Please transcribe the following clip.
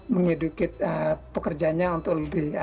menyedikit pekerjanya untuk lebih sadar